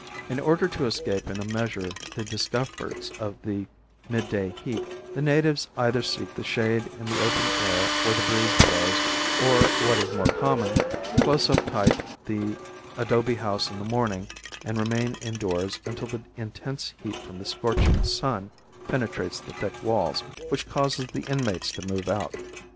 In order to escape in a measure the discomforts of the midday heat the natives either seek the shade in the open air where the breeze blows, or, what is more common, close up tight the adobe house in the morning and remain indoors until the intense heat from the scorching sun penetrates the thick walls, which causes the inmates to move out.